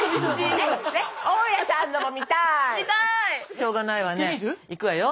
しょうがないわね。